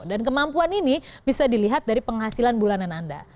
dan kemampuan ini bisa dilihat dari penghasilan bulanan anda